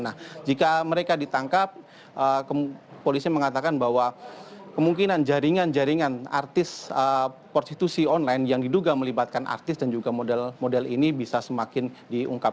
nah jika mereka ditangkap polisi mengatakan bahwa kemungkinan jaringan jaringan artis prostitusi online yang diduga melibatkan artis dan juga model model ini bisa semakin diungkap